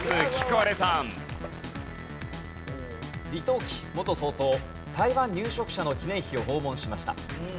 李登輝元総統台湾入植者の記念碑を訪問しました。